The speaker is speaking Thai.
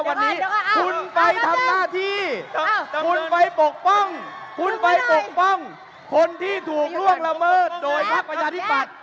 วันนี้คุณไปทำหน้าที่คุณไปปกป้องคนที่ถูกล่วงละเมิดโดยภักดิ์ประชาธิปรับ